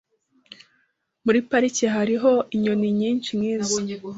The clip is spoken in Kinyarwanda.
Muri parike hariho inyoni nyinshi nkizo .